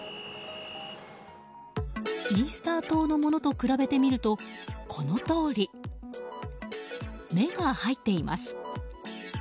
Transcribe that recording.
イースター島のものと比べてみると、このとおり。目が入っています。